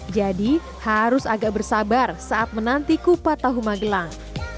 jadi harus agak bersabar saat menanti kupat tahu magelang